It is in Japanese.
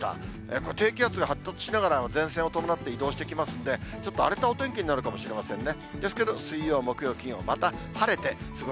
これ低気圧が発達しながら前線を伴って移動してきますんで、ちょっと荒れたお天気になるかもしれませんね。